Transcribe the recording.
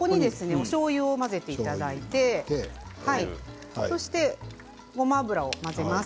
おしょうゆを混ぜていただいてごま油を混ぜます。